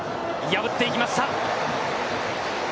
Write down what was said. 破っていきました。